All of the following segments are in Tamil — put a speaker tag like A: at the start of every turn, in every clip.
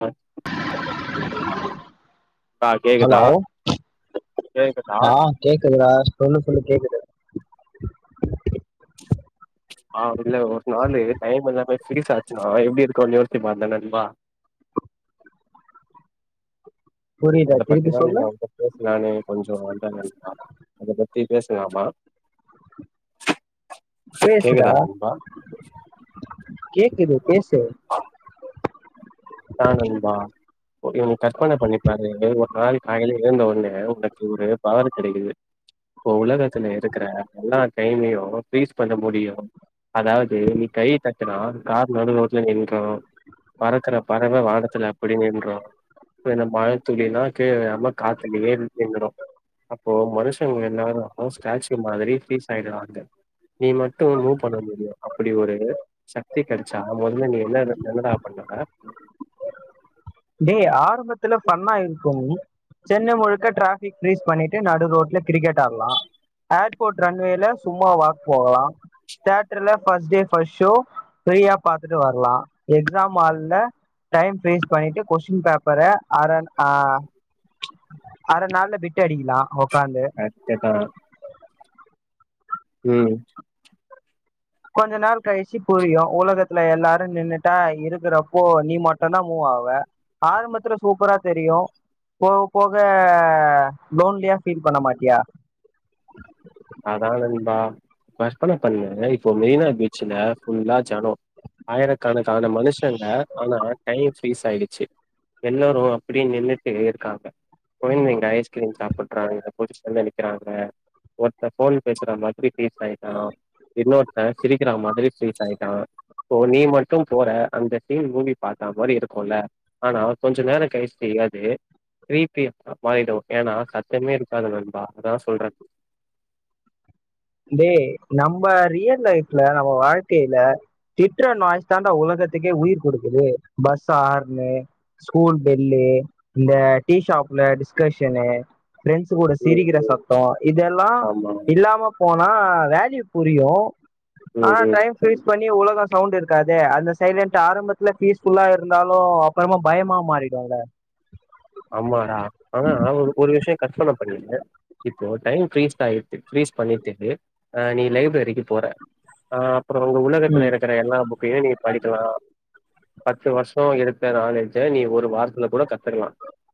A: அ ஆ
B: ஹலோ
A: கேக்குதா கேக்குதா
B: ஆ‌ கேக்குதுடா சொல்லு சொல்லு கேக்குது
A: ஆ இல்ல ஒரு நாள் டைம் இல்லாமே பீரிஸ் ஆச்சுனா எப்படி இருக்கும் யோசிச்சு பாத்தேன் நண்பா
B: புரில திருப்பி சொல்லு
A: நானே கொஞ்சம் அண்ட [unintelligible] அத பத்தி பேசலாமா
B: பேசுடா
A: கேக்குதா நண்பா
B: கேக்குது பேசு
A: ஆ நண்பா நீ கற்பன பண்ணிப்பாரு ஒரு நாள் காயில எழுந்த ஒடனே உனக்கு ஒரு பவறு கெடக்குது இப்ப உலகத்துல இருக்கிற எல்லா டைமயும் ஃபிரிஸ் பண்ண முடியும் அதாவது நீ கைய க நான் கார் நடு ரோட்ல நின்றும் பறக்கற பறவ அப்படி நின்றும் இந்த மழ துளிலாம் கீழ விழாம காத்துலயே நின்னுறு அப்போ மனுஷங்க என்ன ஸ்டாச்சு மாதிரி ஃப்ரீஸ் அயிடுறாங்க நீ மட்டும் மூவ் பண்ண முடியும் அப்படி ஒரு சக்தி கிடைச்சா மொதல்ல நீ என்ன நடா பண்ணுவ
B: டேய் ஆரம்பத்து பன்னா இருக்கும் சென்னை முழுக்க டிரஃபிக் ரேஸ் பண்ணிட்டு நடு ரோட்டில கிரிக்கெட் ஆடலாம் ஏர்போர்ட் ரன்வேல சும்மா வாக் போகலாம் தெட்டர்ல பர்ஸ்ட் டே ஃபஸ்ட் ஷோ பிரீயா பாத்துட்டு வரலாம் எக்ஸாம் ஹால்ல டைம் வே பண்ணிட்டு கொஸ்டின் பேப்பர அர அஹ் அரை நாள்ல பிட்டு அடிக்கலாம் ஓக்
A: சத்ததான் உம்
B: கொஞ்ச நேரொ கழிச்சி புரியு உலகத்துல எல்லாரு நின்னுட்டா இருக்கறப்போ நீ மட்டுந்தா மூவ் ஆவ ஆரம்பத்துல சூப்பரா தெரியு போக போக லோன்லியா ஃபீல் பண்ண மாட்டியா
A: அதா நண்பா [unintelligible] பண்ணே இப்போ மெரினா பீச்ல ஃபுல்லா ஜனோ ஆயிரக்கணக்கான மனுஷங்க ஆனா டைம் ரீஸ் ஆயிடுச்சி எல்லாரு அப்டியே நின்னுட்டு இருக்காங்க கொந்தைங்க ஐஸ்கிரீம் சாப்பட்றாங்க பொசிசன்ல நிக்கிறாங்க ப்ப ஃபோன் பேசறா மாதிரி ஃப்ரீஸ் ஆயிட்டா இன்னொருத்த சிரிக்கிறா மாதிரி ஃப்ரீஸ் ஆயிட்டா ப்போ நீ மட்டும் போற அந்த சீன் மூவி பாத்தா மாரி இருக்குல்ல ஆனா கொஞ்ச நேரங் கழிச்சி அது [unintelligible] மாறிடு ஏனா சத்தமே இருக்காது நண்பா அதா சொல்றே
B: டே நம்ம ரியல் லைஃப்ல நம்ம வாழ்க்கையில திட்ற நாய்ஸ் தாண்டா உலகத்துக்கே உயிர் கொடுக்குது பஸ் ஆர்ன்னு ஸ்கூல் பெல்லு இந்த டீஷாப்ல டிஸ்கஷனு பிரெண்ட்ஸ் கூட
A: ம்
B: சிரிக்கிற
A: ம்
B: சத்தோ இதெல்லா
A: ஆமா
B: இல்லாம ப்பனா வேல்யூ புரியு
A: ம்
B: ஆஹ்
A: ம்
B: டைம் ஃப்ரீஸ் பண்ணி உலகொ சவுண்டு இருக்காது அந்த சைலண்ட் ஆரம்பத்ல ஃபீஸ்ஃபுல்லா இருந்தாலு அப்பறமா பயமா மாறிடுல்ல
A: ஆமாடா ஆனா ஒரு ஒரு விஷய கற்பன பண்ணு இப்போ டைம் ஃப்ரீஸ் ஆயிருச்சு ஃப்ரீஸ் பண்ணிட்டு அ நீ லைப்ரரிக்கு போற ஆ ப்புறோ உங்க உலகத்துல இருக்கற எல்லா புக்கையு நீங்க படிக்கலா பத்து வர்ஷோ எடுத்த நாலேஜ நீ ஒரு வாரத்தல கூட கத்துக்லா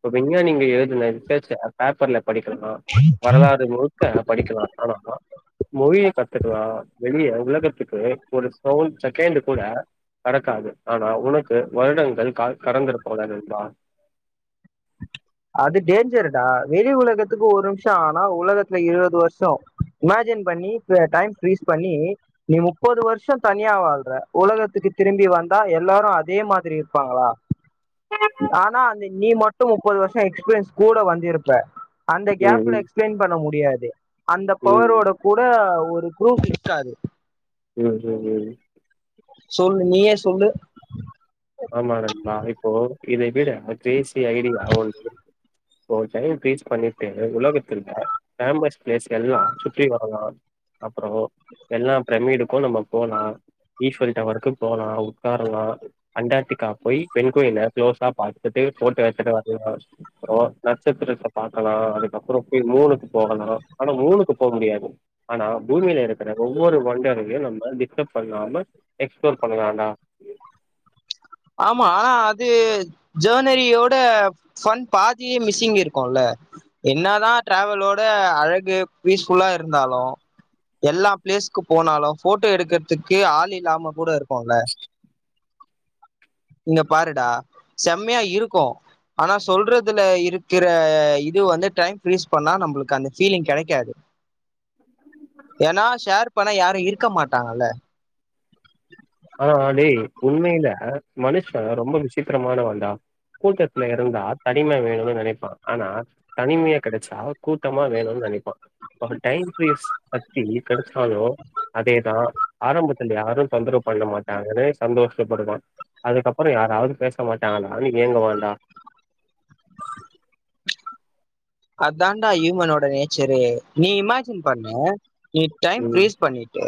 A: [unintelligible] எங்கியோ நீங்க எழுதுன ரிசர்ச் [inaudible] பேப்பர்ல படிக்கர்னு வரலாறு முழுக்க படிக்கலா [unintelligible] ஆமா மொழியு கத்துக்கலா வெளிய உலகத்துக்கு ஒரு சவுல் செகண்டு கூட கடக்காது ஆனா உனக்கு வருடங்கள் கால் கடந்துருக்குல்ல நண்பா
B: அது டேஞ்சருடா வெளி உலகத்துக்கு ஒரு நிம்ஷோ ஆனா உலகத்துல இருவது வர்ஷோ இமேஜின் பண்ணி ப டைம் ஃப்ரீஸ் பண்ணி நீ முப்பது வர்ஷோ தனியா வாழ்ற உலகத்துக்கு திரும்பி வந்தா எல்லாரு அதே மாதிரி இருப்பாங்களா ஆனா அங்க நீ மட் சொல்வோம் முப்பது வர்ஷ எக்ஸ்பீரியன்ஸ் கூட வந்திருப்ப அந்த
A: ம்
B: கேப்ல
A: ம்
B: எக்ஸ்பிளைன் பண்ண முடி டியாது அந்த
A: ம்
B: பவரோட கூட ஒர் ரு குரூப் இருக்காது
A: உம் உம் உம்
B: சொல்லு நீயே சொல்லு
A: ஆமா நண்பா இப்போ இதை விட ஒரு கிரேசி ஐடியா [unintelligible] ஒரு டைம் இன்கிரீஸ் பண்ணிட்டு ஒ உலகத்தில் உள்ள ஃபேமஸ் பிளேஸ்க எல்லா சுற்றி வரலா அப்றோ எல்லா பிரம்மிடுக்கு நம்ம போலா ஈஃபிள்டவருக்கு போலா உக்காரலா அண்டார்டிக்கா போய் பெண்குயின்ன குளோஸா பாத்துட்டு போட்டா எடுத்துட்டு வர்லா ப்ரோ நட்சத்திரத்த பாக்கலா அதுக்கப்றோ போய் மூனுக்கு போகலா ஆனா மூனுக்கு போக முடியாது ஆனா பூமியில இருக்கிற ஒவ்வொரு ஒண்டரையு நம்ம டிஸ்டர்ப் பண்ணாம எக்ஸ்ப்ளோர் பண்ணலாடா
B: ஆமா ஆனா அது ஜேன்வரியோட சன் பாதியே மிஸ்ஸிங் இருக்குல என்னதா ட்ராவலோட அழகு பீஸ் ஃபுல்லா இருந்தாலு எல்லா பிளேஸ்க்கு போனாலு போட்டோ எடுக்கிறதுக்கு ஆள் இல்லாம கூட இருக்குல இங்க பாருடா செம்மையா இருக்கு ஆனா சொல்றதுல இருக்கிற இது வந்து டைம் கிரீஸ் பண்ணா நம்பளுக்கு அந்த ஃபீலிங் கெடைக்காது ஏனா ஷேர் பண்ணா யார் இருக்க மாட்டாங்கல்ல
A: ஆனா டேய் உண்மைல மனுஷ ரொம்ப விசித்திரமானவன்டா கூட்டத்துல இருந்தா தனிமை வேணுனு நெனைப்பா ஆனா தனிமையா கெடைச்சா கூட்டந்தா வேணுனு நெனைப்பா அவ டைம்கிரியேட்ஸ் ஃபஸ்ட்டு கெடச்சுட்டாலு அதேதா ஆரம்பத்துல யாரு தொந்தரவு பண்ண மாட்டாங்கனே சந்தோஷப்படுவா அதுக்கப்பற யாராவ்து பேச மாட்டாங்களானு ஏங்குவான்டா
B: அதான்டா இமனோட நேச்சரு நீ இமேஜின் பண்ணு நீ டைம்
A: ம்
B: ஃப்ரீஸ் பண்ணிட்டு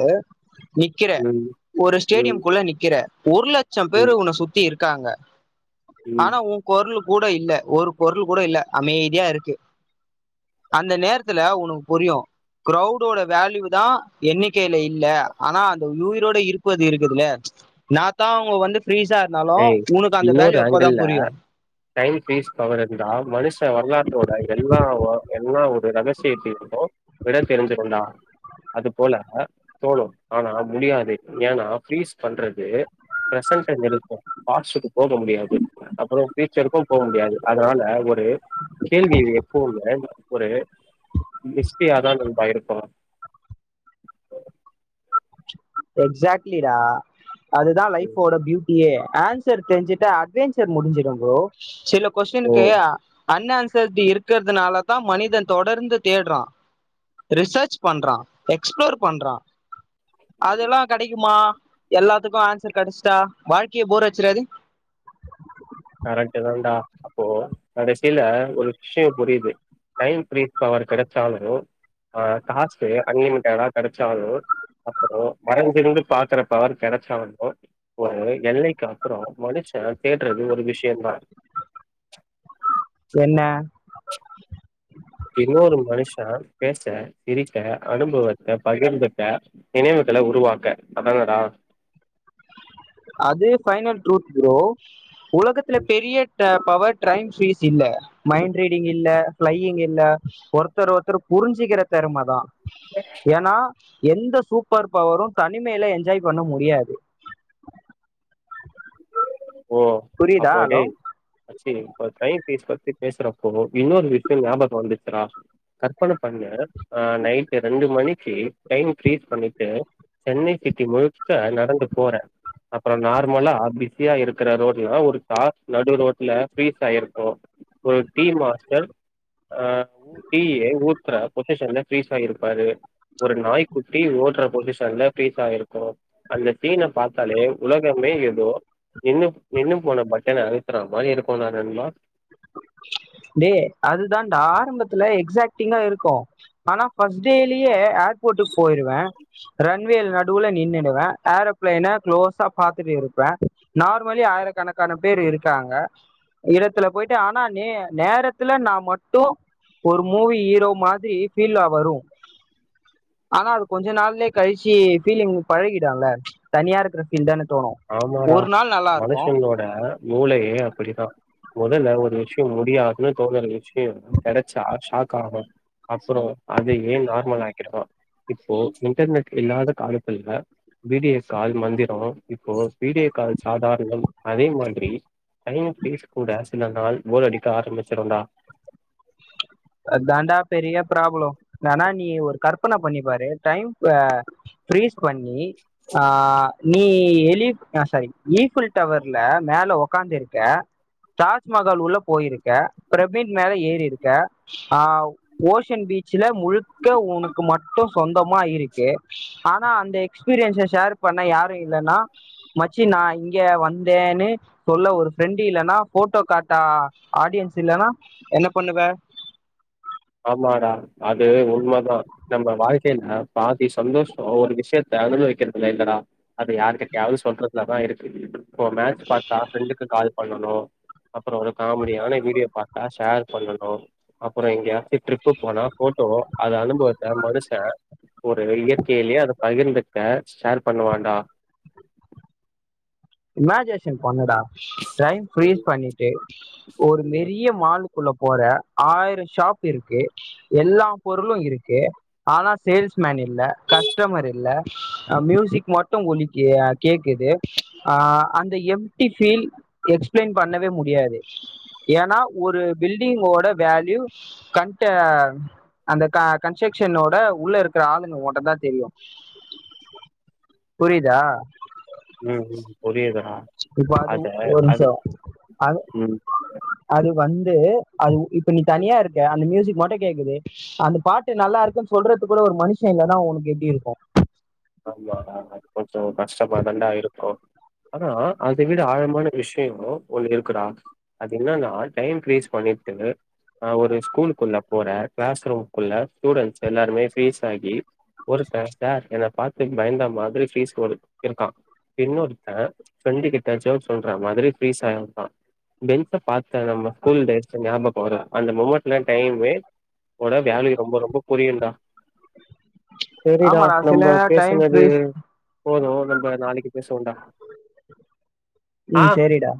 B: நிக்கிற
A: ம்
B: ஒரு
A: ம்
B: ஸ்டேடியம் குள்ள நிக்கிற ஒரு லட்சம் பேரு
A: ம்
B: உன்ன சுத்தி இருக் க்காங்க
A: ம்
B: ஆனா உங் குரலு கூட இல்ல ஒரு கொரல் கூட இல்ல அமைதியா இருக்கு அந்த நேரத்துல உனக் புரியு க்ரௌடோட வேல்யூ தா எண்ணிக்கையில இல்ல ஆனா அந்த உயிரோட இருப்பது இருக்குதுல என்னாதா அவங்க வந்து ஃப்ரீஸா இருந்தாலும்
A: டேய்
B: உனக்கு அந்த
A: இன்னொரு
B: வேல்யூ அப்பதான்
A: ஆங்கிள்ல
B: புரியும்
A: டைம் ஃபிரீஸ் பவர் இருந்தா மனுஷ வரலாற்றோட எல்லா வா என்னா ஒரு ரகசிய ட்ரீம்மோ விட தெரிஞ்சுருதுனா அது போல தோணு ஆனா முடியாது ஏன்னா ஃப்ரீஸ் பண்றது ப்ரெசென்ட்ட நிறுத்து ஃபாஸ்ட்க்கு போக முடியாது அப்றோ பியூச்சருக்கு போக முடியாது அதனால ஒரு இது கேள்வி இங்க எப்பவுமே ஒரு மிஷ்ட்டியாதா நண்பா இருக்கும்
B: எக்ஸாக்ட்லி டா அதுதா லைஃப்போட பியூட்டியே ஆன் சர் தெரிஞ்சிட்ட அட்வெஞ்சர் முடிஞ்சிடு ப்ரோ சில
A: ஓ
B: கொஸ்டினுக்கு அன் ஆன்சர்டி இருக்கறதுனால தா மனிதன் தொடர்ந்து தேட்றா ரிசர்ச் பண்றா எக்ஸ்ப்ளோர் பண்றா அதெல்லா கடைக்குமா எல்லாத்துக்கு ஆன்சர் கெடச்ட்டா வாழ்க்கையே போர் அடிச்சிடாது
A: கரெக்ட்டு தாண்டா அப்போ கடசில ஒரு விஷ்யோ புரியுது டைம்ப்ளீஸ் பவர் கெடச்சாலு ஆ காசு அன்லிமிட்டடா கெடச்சாலு அப்றோ மறஞ்சிருந்து பாக்குற பவர் கெடச்சாலு ஒரு எல்லைக்கா அப்றோ மனுச தேட்றது ஒரு விஷ் சேமா
B: என்ன
A: இன்னொரு மனுஷ பேச சிரிக்க அனுபவத்த பகிர்ந்துக்க நினைவுகள உருவாக்க அதானடா
B: அதே ஃபைனல் ட்ரூத் ப்ரோ உலகத்துல
A: ம்.
B: பெரிய [unintelligible] பவர் டைம்ஸ் ஈசி இல்ல மைண்ட் ரீடிங் இல்ல பிளையிங் இல்ல ஒருத்தர் ஒருத்தர் புரிஞ்சுிக்கிற திறமதான் ஏனா எந்த சூப்பர் பவரும் தனிமையில என்ஜாய் பண்ண முடியாது
A: ஓ
B: புரியுதா
A: அப்ப
B: ஹலோ
A: டேய் மச்சி இப்ப டைம் பிஸ் புள் அது பத்தி பேசுறப்போ இன்னொரு விஷயம் ஞாபகம் வந்துச்சுறா கற்பன பண்ணு ஆ நைட்டு ரெண்டு மணிக்கு டைம் ப்ரிஸ் பண்ணிட்டு சென்னை சிட்டி முழுக்க நடந்து போறேன் அப்புறம் நார்மலா பிஸி ப்ரியா இருக்கிற ரோட்ல ஒரு கார் நடு ரோட்ல ஃப்ரிஸ் ஆகி இருக்கும் ஒரு டி மாஸ்டர் ஆ ஊ டி ஊ ட்டுற பொசிஷன்ல ஃப்ரீஸ் ஆகி இருப்பாரு ஒரு நாய் குட்டி ஓடுற பொசிஷன்ல ஃப்ரீஸ் ஆகி இருக்கும் அந்த சீன பார்த்தாலே உலகமே ஏதோ நின்னு நின்னு போன பட்டன அழுத்துற மாரி இருக்கும் தான நன்பா
B: டேய் அதுதான் டா ஆரம்பத்து துல எக்சாக்ட்டிங்கா இருக்கும் ஆனா ஃபர்ஸ்ட் டேலியே ஏர்போர்ட்டுக்கு போயிருவேன் ரன்வே நடுவுல நின்னுடுவேன் ஏரோபிளைன குலோசா பாத்துட்டு இருப்பேன் நார்மலி ஆயிரக்கணக்கான பேர் இருக்காங்க இடத்துல போயிட்டு நானு நேரத்துலே நா மட்டு ஒரு மூவி ஹீரோ மாதிரி ஃபீல்லா வரு ஆனா அது கொஞ்ச நாள்ல கழிச்சு ஃபீலிங்கு பழகிடுல்ல தனியா இருக்கிற ஃபீல் தான
A: ஆமாடா மனுஷங்ளோட மூலையே அப்டித்தா மொதல்ல ஓரு விஷ்ய முடியாதுனு தோன்ல நெனச்சுக்கோ நீயு கெடச்சா சாப் காவா அப்பறோ அதயே நார்மல் ஆக்கிடுவா இப்போ இன்டர்நெட் இல்லாத காலத்துல பி டி எஸ் ஆல் மந்திர இப்போ வீடியோ கால் சாதாரணம் அதே மாதிரி டைம் பேச கூட சில நாள் போர் அடிக்க ஆரம்மிச்சுருன்டா
B: அதான்டா பெரிய ப்ராப்ள வேனா நீ ஒரு கற்பன பண்ணிப்பாரு டைம் இப்ப ஃப்ரீஸ் கொஞ்சி ஆ நீ எரிக் ஆ சாரி ஈஃபில் டவர்ல மேல ஒக்காந்துருக்க தாஜ்மஹால் உள்ள போயிருக்கே பிரபீன் மேல ஏறிருக் ஏ ஆ ஓஷ் சன் பீச்ல முழுக்க உனக்கு மட்டூ சொந்தமா இருக்கு ஆனா அந்த எக்ஸ்பீரியன்ஸை ஷேர் பண்ண யாரும் இல்லன்னா மச்சி நான் இங்க வந்தேன்னு சொல்ல ஒரு ஃப்ரெண்ட் இல்லன்னா போட்டோ காட்ட ஆடியன்ஸ் இல்லன்னா என்ன பண்ணுவே
A: ஆமாடா அது உண்ம தான் நம்ம வாழ்க்கையில பாதி சந்தோஷம் ஒரு விஷயத் [unintelligible] வைக்கிறதுல இல்லடா அது யாரு கிட்டயாது சொல்ல நதான் இருக்கு இருக்கு இப்ப மேட்ச் பார்த்தா ஃப்ரெண்டுக்கு கால் பண்ணணும் அப்புறம் ஒரு காமெடியான வீடியோ பார்த்தா ஷேர் பண்ணணும் அப்புறம் இங்க ட்ரிப்பு போனா போட்டோ அது அனுபவத்த மனுஷன் ஒரு இயற்கையிலேயே அது பகிர்ந்துக்க ஷேர் பண்ணுவாண்டா
B: இமேஜினேஷன் பன்னுடா டைம்
A: ம்,
B: ஃபிரிஸ் பண்ணிட்டு ஒரு
A: ம்,
B: நெறய மால் ள்ள போற ஆயிரம் ஷாப் இருக்கு எல்லா பொருளும் இருக்கு ஆனா சேல்ஸ்மேன் இல்ல கஸ்டமர் இல்ல மியூசிக் மட்டும் ஒலிக்கு கேக்குது அஹ் அந்த எம்டி ஃபீல் எக்ஸ்பிளைன் பண்ணவே முடியாது ஏனா ஒரு பில்டிங்கோட வேல்யூ கண்ட்ட அந்த க கன்சக்க்ஷனோட உள்ள இருக்குற ஆளுங்க ஓட்டதா தெரியு புரியிதா
A: புரியுது டா
B: இப்போ அது ஒரு நிம்ஷோ அது
A: ம்.
B: அது வந் து அதுவு இப்ப நீ தனியா இருக்க அந்த மியூசிக் மட்டு கேக்குது அந்த பாட்டு நல்லா இருக்குன் சொல்றத்துக் கூட ஒரு மனுஷ இல்லனா ஒனக்கு எப்டி இருக்கு
A: ஆமா டா அது கொஞ்சொ கஷ்டமா தன்டா இருக்கு ஆனா அதை விட ஆழமான விஷயொ ஒண்ணு இருக்குடா அது என்னன்னா டைம் க்ரீஸ் பண்ணிட்டு ஆஹ் ஒரு ஸ்கூலுக்குள்ள போற கிளாஸ் ரூம்க்குள்ள ஸ்டூடெண்ட்ஸ் எல்லாருமே ஃப்ரீஸ் ஆகி ஒரு ச சார் என்ன பாத் து பயந்த மாதிரி ஃபீஸ் ரோல் இருக்கா இன்னொருத்த ஃப்ரெண்டு கிட்ட ஜோக் சொல்ற மாதிரி ஃபீரிஸ் ஆயிருக்கா பெஞ்ச பார்த்த நம்ம ஸ்கூல் டேஸ் ஞாபக வர அந்த மொமண்ட்ல டைமே வோட வேல்யூ ரொம்ப ரொம்ப புரியு டா செரிடா
B: ஆமாடா சில
A: நம்ம
B: டைம்
A: பேசுனது
B: ஃப்ரீஸ்
A: போதூ நம்ப நாளைக்கு பேசலா டா
B: உம் சேரிடா